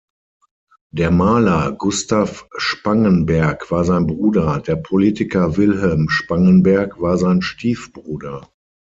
Der Maler Gustav Spangenberg war sein Bruder, der Politiker Wilhelm Spangenberg war sein Stiefbruder.